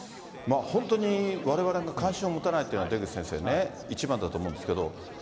本当にわれわれが関心を持たないというのは、出口先生ね、一番だと思うんですけど。